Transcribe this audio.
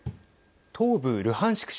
東部ルハンシク